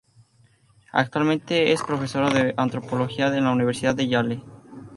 Actualmente es profesora de antropología en la Universidad de Yale.